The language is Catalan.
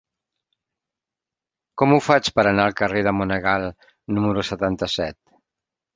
Com ho faig per anar al carrer de Monegal número setanta-set?